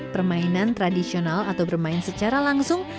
permainan tradisional atau bermain secara langsung